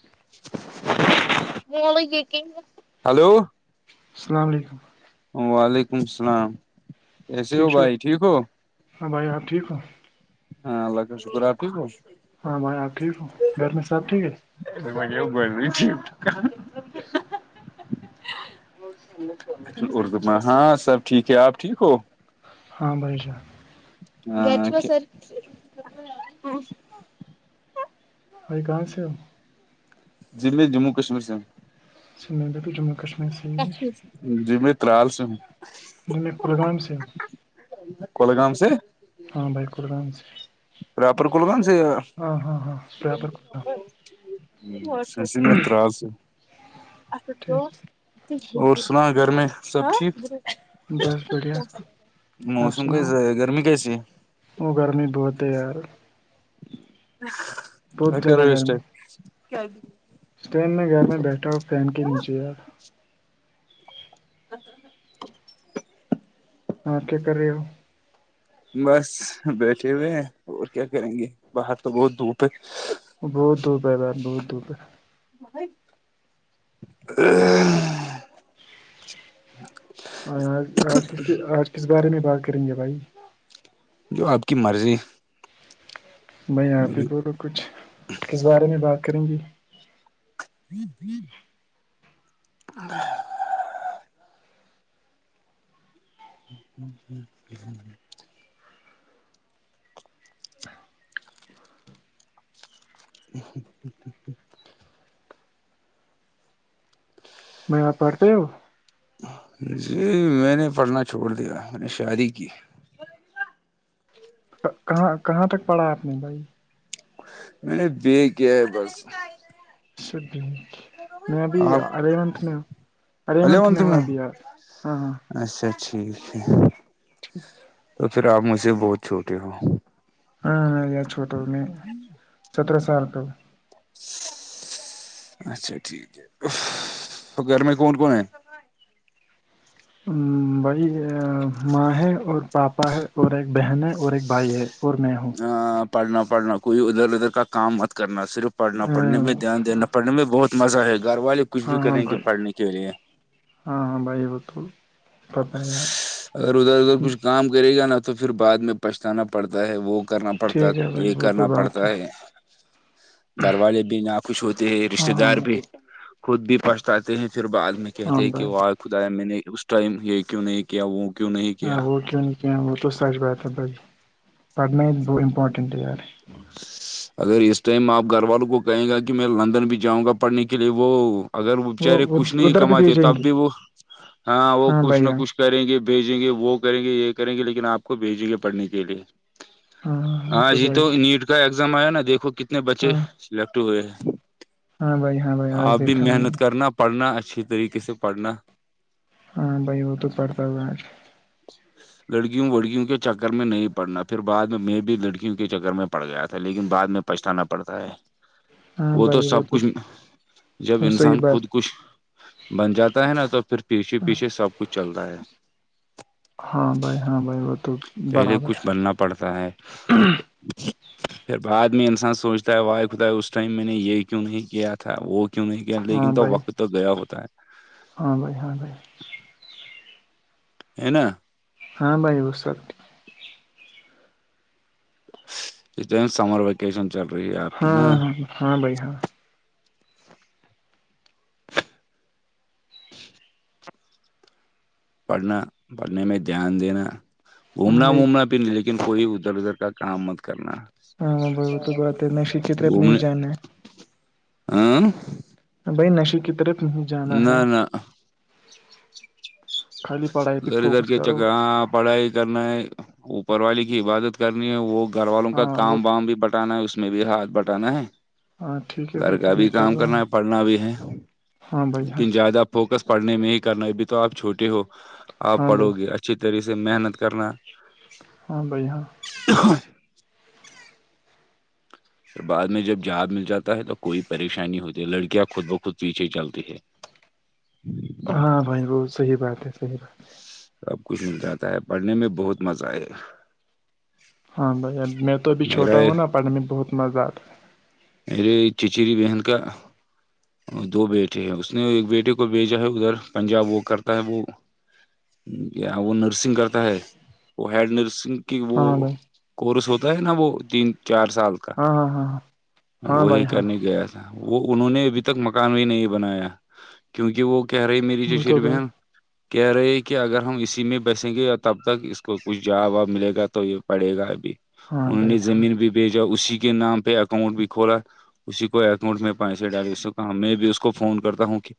جی hello السلام علیکم وعلیکم السلام کیسے ہو بھائی ٹھیک ہو ہاں بھائی آپ ٹھیک ہو ہاں اللہگ شکراپی کو ہاں بھائی آپ ٹھیک ہو گھر میں سب ٹھیک ہے مے گول رہی اردو میں ہاں سب ٹھیک ہے آپ ٹھیک ہو ہاں بھائی جا گج سرہ بھائی کہاں سے ہو جی میں جموں کشمیر سے سرینگر پ جموں کشمیر سے ہی ہوں جی میں ترالس جی میں کلگام سے کولگؤ سے ہاں بھائی کلران سے رپر کول گان ہاں ہاں ہاں برابر کلگام سے مترال سے ٹھیک اور سنا گھر میں سب ٹھیک بس بڑھیا آپ موسم سناؤ کیسا گرمی کیسی ہے وہ گرمی بہت ہے یار ہ بہت کرو زیادہ اسٹ گرمی اس ٹائم میں گھر میں بیٹھا ہوں فین کے نیچے یار [inaudible] ہاں کیا کر رہے ہو بس بیٹھے ہوئے ہیں اور کیا کریں گے باہر تو بہت دھوپ ہے بہت دور پ ہے بار بہت دور [inaudible] [inaudible] آج آج کس آج کس بارے میں بات کریں گے بھائی جو آپ کی مرضی میں یہ آاںپ ہی بولو کچھ ک بارے میں بات کریں گی جی [inaudible] [inaudible] [inaudible] میں آاں پڑھتے جی میں نے پڑھنا چھوڑ دیا میں نے شادی کی کہاں کہاں تک پڑا آپ نے بھائی میں نے بے کیا ہے بس بمت میں ابھی آپ ارے منتھ میں ہوں ارے بھلے ہو منتھ میں ہوں تمہیں ابھی یار ہاں ہاں اچھا ٹھیک ہے [inaudible] تو پھر آپ مجھے بہت چھوٹے ہو ہاں میں یا چھوٹا ہوں میں سترہ سال پہ ہ اچھا ٹھیک ہے تو گھر میں کون کون ہے بی ماں ہے اور پاپا ہے اور ایک بہن ہے اور ایک بھائی ہے اور میں ہوں پڑھنا پڑھنا کوئی ادھر ادھر کا کام مت کرنا صرف پڑھنا پڑنے میں ہاں دھیان دینا پڑنے میں بہت مزہ ہے گھر والے کچھ بھی ہاں کریں گے بھائی پڑھنے کے لیے ہاں ہاں بھائی وہ تو پتہ ہے یار اگر ادھر ادھر کچھ کام کرے گا نا تو پھر بعد میں پچھتانا پڑتا ہے وہ کرنا پڑتا ہے ٹھیک بھائی یہ وہ تو کرنا پڑتا بات ہے دروازے بھی نہ خوش ہوتے ہے رشتے ہاں ہاں دار وہ بھی تو خود بھی پچھتاتے ہیں پھر بعد میں ہاں کہتے کہ بھائی و خدا میں نے اس ٹائم یہ کیوں نہیں کیا وہوں کیوں نہیں کیا اں وہ کیوں ن کہ وہ تو سچ بات ہے ب پن بہ امپارٹنٹ ار اگر اس ٹائم آپ گھر والوں کو کہے گا کہ میں لندن بھی جاؤں گا پڑھنے کے لیے وہ اگر وہ بچارے کچھ نہیں ادھر بھی کماتے بھیجیں تب گے بھی وہ ہاں وہ کچھ بھائی نہ ہاں کچھ کریں گے بھیجیں گے وہ کریں گے یہ کریں گے لیکن آپ کو بھیجیں گے پڑھنے کے لیے ہاں وہ ہاں جی تو بھائی نیٹ کا ایگزام آیا نا دیکھو کتنے بچے ہاں لکٹ ہوئے ہے ہاں بھائی ہاں بھائی آج اب بھی دیکھا میں محنت نے کرنا پڑھنا اچھے طریقے سے پڑھنا ہاں بھائی وہ تو پڑھتا ہو آج [inaudible] لڑکیوں وڑکیوں کے چکر میں نہیں پڑھنا پھر بعد میں میں بھی لڑکیوں کے چکر میں پڑ گیا تھا لیکن بعد میں پچھتانا پڑتا ہے وہ تو سب کچھ جب وہ صحیح انسان بات خود کچھ بن جاتا ہے نا تو پھر پیچھے پیچھے سب کچھ چلتا ہے ہاں بھائی ہاں بھائی وہ تو پہلے برابر کچھ ہے بننا پڑتا ہے پھر بعد میں انسان سوچتا ہے وائی خدا اس ٹائم میں نے یہ کیوں نہیں کیا تھا وہ کیوں نہیں ہاں لیکن تو بھائی وقت تو گیا ہوتا ہے ہاں بھائی ہاں بھائی ہے نا ہاں بھائی وہ سب اسم سمر ویکیشن چل رہی ہے آپ ہاں کی نا ہاں ہاں ہاں بھائی ہاں پڑھنا پڑھنے میں دھیان دینا ہاں گھومنا بھائی وومنا نہیں لیکن کوئی ادھر ادھر کا کام مت کرنا ہاں ب وہ تو بات ہے کیتے اپنی ہی گھومنے جانے ہاں بھائی نشے کی طرف نہیں جانا ہے نہ نہ خالی پڑھائی پہ ادھر ادھر فوکس کے کرو چکراں پڑھائی کرنا ہے اوپر والی کی عبادت کرنی ہے وہ گھر والوں کا ہاں وہ کام وام بھی بٹانا ہے اس میں بھی ہاتھ بٹانا ہے ہاں ٹھیک ہے گھر وہ کا تو میں بھی کر کام رہا کرنا ہوں ہے پڑھنا بھی ہے ہاں بھائی ہاں لیکن زیادہ فوکس پڑھنے میں ہی کرنا ہے ابھی تو آپ چھوٹے ہو آپ ہاں بھائی پڑھو گے اچھا اچھی طرح سے محنت کرنا ہاں بھائی ہاں [unintelligible] پ بعد میں جب جاب مل جاتا ہے تو کوئی پریشانی ہوتی ہے لڑکیاں خود بخود پیچھے چلتی ہے ہوں ہاں بھائی وہ صحیح بات ہے صحیح بات سب کچھ مل جاتا ہے پڑھنے میں بہت مزہ آئے ہاں بھائی میں تو اب میرا چھوٹا ہوں نا پڑھنے میں بہت مزہ آتا ہے اے چیچری بہن کا دو بیٹے ہیں اس نے ایک بیٹے کو بھیجا ہے ادھر پنجاب وہ کرتا ہے وہ کیا وہ نرسنگ کرتا ہے وہ ہیڈ نرسنگ کہ ہاں وہ بھائی کورس ہوتا ہے نا وہ تین چار سال ہاں ہاں ہاں ہاں ہاں بھائی وہی ہاں کہنے گیا وہ انہوں نے ابھی تک مکان بھی نہیں بنایا کیونکہ وہ کہہ رہی میری ج وہ تو شری بات بہن کہہ رہے ہیں کہ اگر ہم اسی میں بسیں گے اور تب تک اس کو کچھ جاب واب ملے گا تو یہ پڑے گا ابھی ہاں انہوں بھائی نے ہاں زمین بھی بھیجا اسی کے نام پہ اکاؤنٹ بھی کھلا اسی کو اکاؤنٹ میں پانچسو ڈائی سو ہاں میں بھی اس کو فون کرتا ہوں کہ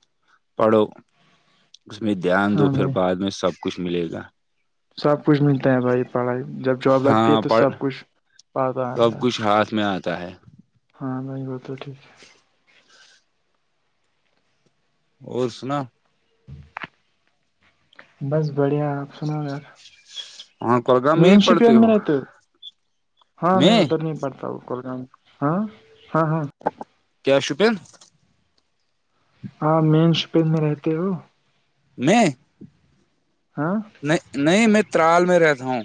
پڑھو اس میں دھیان دو ہاں پھر بھائی بعد میں سب کچھ ملے گا سب کچھ ملتا ہے بھائی پڑھائی جب جاب لگتی ہے ہاں تو پڑ سب کچھ پاتا سب ہے کچھ ہاتھ میں آتا ہے ہاں بھائی بات تو ٹھیک ہے اور سنا بس بڑھیا آپ سناو یار وہاں کولگام میں ہی مین شپین پڑھتے میں ہو رہتے ہاں میں ادھر نہیں پڑتا ہوں کولگام ہاں ہاں ہاں کیا شوپین ہاں مین شپین میں رہتے ہو میں ہاں نہیں نہیں میں ترال میں رہتا ہوں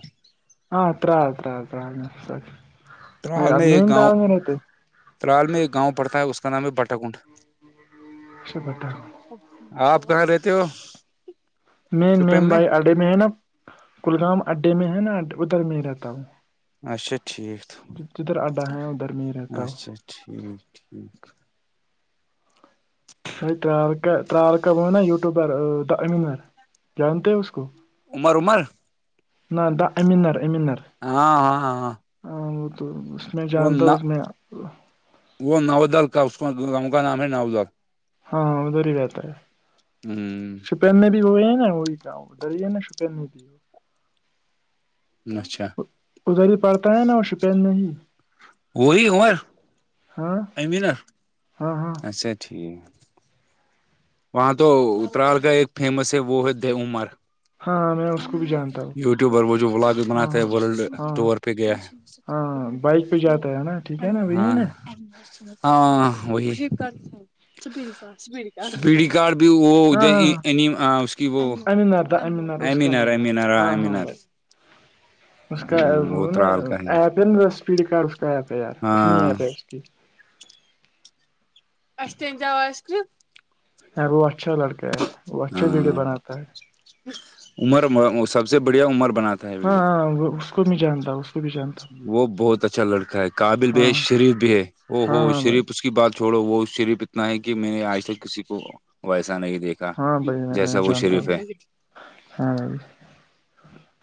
ہاںت آت آ م آالن تلال میں ایک گاؤں پڑتا ہے اس کا نام ہے بٹا کنڈ کچھ پ آپ کہاں رہتے ہو مین مین بھائی اڈے میں ہے نا کلگام اڈے میں ہے نا ادھر میں ہی رہتا ہوں اچھا ٹھیک جدھر آڈا ہے ادھر نہیں رہتا وہ اچھا ٹھیک ٹھیک ب ترالکا ترالکا ب نا وٹٹیوبر امینر جانتے ہیں اس کو عمر عمر نہ د امنار ایمنار ہاں ہاں ہاں ہاں وہ تو اس میں وہ جانتا ہوں اس میں وہ نوودل کا اس کا نام ہے ناوودل ہاں ہاں ادھر ہی رہتا ہے ہوں شپین میں بھی ہوئے ہیں نا وہی کیا ادھر ہی ہے نا شپین میں بھی وہ اچھا ادھر ہی پڑتا ہے نا وہ شپین میں ہی وہی عمر ہاں ام نا ہاں ہاں اسا ٹھیک وہاں تو اترال کا ایک فیمس ہے وہ ہے د عمر ہاںاں میں اس کو بھی جانتا ہوں یوٹیوبر وہ جو بلاگ بھی ہاں بناتے ہے ورلڈ ہاں ٹور پہ گیا ہے ہاں بائک پہ جاتا ہے نا ٹھیک ہے نا وہی ہے اں نا ہاں وہی پیڑی کارڈ بھی وہ ہاں ادھر ہاں ہاں اس کی وہ امین آدا امین آدا اس کا ایمینار نام ہے ایمینار ہ ہاں ہاں ایمینار بھائی اس کا نا ترال کا ہی ایپ ہے نا اسپیڈ کارڈ اس کا ایپ ہے یار اپنی ہاں ایپ ہے کی اچ ا ان جاوس کیت وہ اچھا لڑکا ہے وہ اچھا ویڈیو ہاں بناتا ہے عمر سب سے بڑھیا عمر بناتا ہے ویڈیو ہاں ہاں اس کو میں جانتا ہوں کو بھی جانتا ہوں۔ وہ بہت اچھا لڑکا ہے قابل بھی ہاں ہے شریف بھی ہے او ہو ہاں ہاں بھائی شریف اس کی بات چھوڑو وہ اس شریف اتنا ہے کہ میں نے آج تک کسی کو ویسا نہیں دیکھا ہاں کا بھائی میں میں جیسا وہ جانتا ہوں شریف ہے ہاں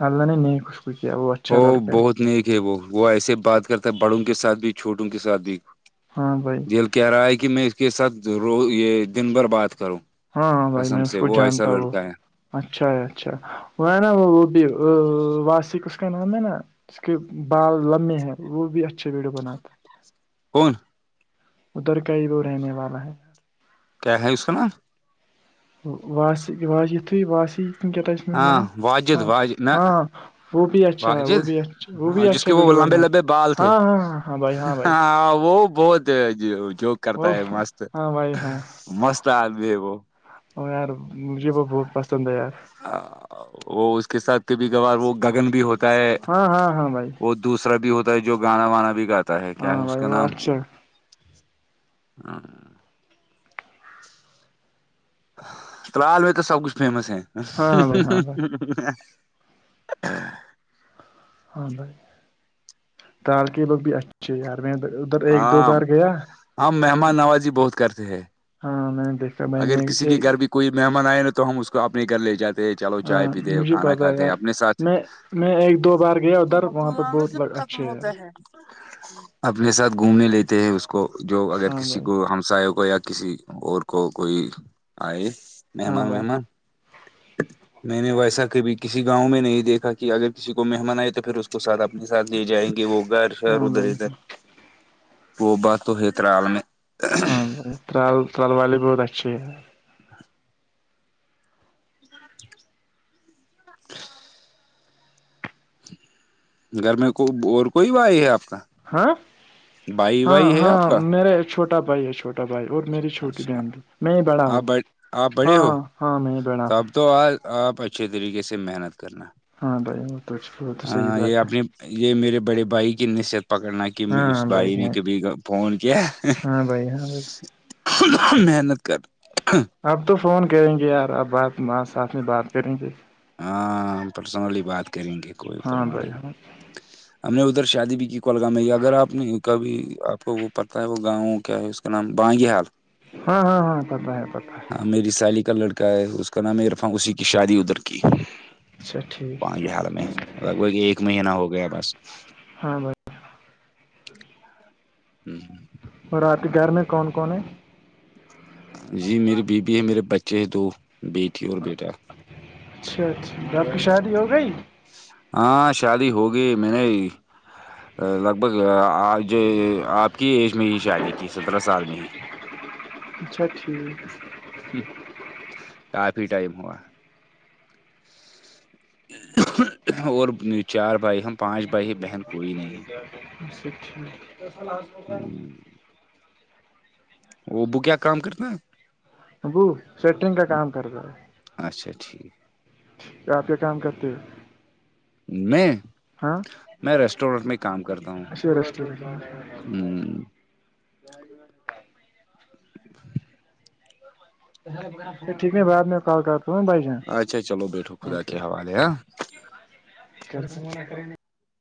اللہ نے نیک اس کوکیا وہ اچھا لڑکا ہے اتنے کے وہ وہ ایسے بات کرتا بڑوں کے ساتھ بھی چھوٹوں کے ساتھ بھی ہاں بھائی دل کہہ رہا ہے کہ میں اس کے ساتھ ر یہ دن بھر بات کروں ہاں ہاں بھائی قسم میں اس سے کو وہ ایسا جانتا ہوں لڑکا ہے اچھا اچھا وہ ہے نا وہ وہ بھی واسک اس کا نام ہے نا اس کے بال لمبے ہیں وہ بھی اچھے ویڈیو بناتے کون ادھر کا ہی وہ رہنے والا ہے کیا ہے اس کا نام [unintelligible] ہاں واجد واجد نہ وہ بھی اچھا ہے وہ واجد بھی اچھا وہ ہاں بھی جس اچھا کے وہ ویڈیو لمبے بنا لمبے بال ہاں تھے ہاں ہاں ہاں بھائی ہاں وہ بہت جوک کرتا وہ ہے مست ہاں بھائی ہاں مست آدمی ہے وہ اور یار مجھے وہ بہت پسند ہے یار وہ اس کے ساتھ کبھی کبھار وہ گگن بھی ہوتا ہے ہاں ہاں ہاں بھائی وہ دوسرا بھی ہوتا ہے جو گانا وانا بھی گاتا ہے کیا ہے ہاں اس بھائی کا وہ نام اچھا ہاں ترال میں تو سب کچھ فیمس ہے ہاں بھائی ہاں بھائی ہاں بھائی ترال کے لوگ بھی اچھے ہے میں ادھر ایک دو ہاں بار گیا ہم مہمان نوازی بہت کرتے ہیں ہاں میں نے دیکھا میں نے اگر کسی کے گھر بھی کوئی مہمان آئے نا تو ہم اس کو اپنے گھرے لے جاتے چلو ہاں چائے پیتے مجھے کھانا پتا ہے کھاتے یار اپنے ساتھ میں میں ایک دو بار گیا ادھر وہاں پر بہت اچھے ہے [unintelligible] اپنے ساتھ گھومنے لیتے ہیں اس کو جو اگر ہاں کسی بھائی کو ہمسایہ کو یا کسی اور کو کوئی آئے ہاں مہمان بھائی وہمان میں نے ویسا کبھی کسی گاؤں میں نہیں دیکھا کہ اگر کسی کو مہمان آئے تو پھر اس کو ساتھ آپ ساتھ ہی جائیں گے وہ گھر شھر ہاں ادھر بھائی ادھر وہ بات تو ہے ترال میں ہاں جی ترال ترال والے بہت اچھے ہے [inaudible] گھر میں کو اور کوئی بھائی ہے آپ کا ہا بھائی ہاں وائی ہے ہاں آپ کا میرا ایک چھوٹا بھائی ہے چھوٹا چھوٹا بھائی اور میری چھوٹی اچھا بہن بھی میں بڑا ہوں آپ ب آپ بڑے ہاں ہو ہاں میں ہی بڑا ہوں تب تو آج آپ اچھے طریقے سے محنت کرنا ہاں بھائی تو وہ تو صحیح یہ بات ہے اپنی یہ میرے بڑے بھائی کی نصیحت پکڑنا کہ میں اس ہاں بھائی نے ہاں کبھی فون کیا ہاں بھائی ہاں بھائی محنت کر اب تو فون کریں گے یار آپ بات ساتھ میں بات کریں گے ہاں پرسنلی بات کریں گے کوئی ہاں پروا بھائی نہیں ہاں ہم نے ادھر شادی بھی کی کولگام میں اگر آپ نے کبھی آپ کو وہ پتا ہے وہ گاؤں کیا ہے اس کا اس کا نام بانگی حال ہاں ہاں ہاں پتا ہے پتا ہے ہاں میری سالی کا لڑکا ہے اس کا نام عرفان اسی کی شادی ادھر کی اچھا ٹھیک بانی حال میں لگ بھگ ایک مہینہ ہو گیا بس ہاں بس ہممم اور آپ کے گھر میں کون کون ہے جی میری بیوی ہے میرے بچے ہیں دو بیٹی اور بیٹا اچھا اچھا جی آپ کی شادی ہو گئی ہاں شادی ہوگی میں نے لگ بھگ آ ج آپ کی ایج میں ہی شادی کی سترہ سال میں ہی اچھا ٹھیک کافی ٹائم ہوا اور چار بھائی ہم پانچ بھائی ہے بہن کوئی نہیں ہے اچھا ٹھیک ہممم ابو کیا کام کرتا ہیں ابو سیٹنگ کا کام کر رہ ہے اچھا ٹھیک آپ کے کام کرتے ہو میں ہاں میں ریسٹورینٹ میں کام کرتا ہوں اسی ریسٹورینٹ ہمم [inaudible] ٹھیک بعد میں کال کرتا ہوں بھائی جان اچھا چلو بیٹھو خدا کے حوالے ہا چل کو منا کر نہیں